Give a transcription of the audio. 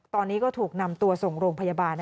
ตอนนี้ก็ถูกนำตัวส่งโรงพยาบาล